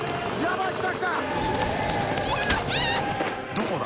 ・どこだ？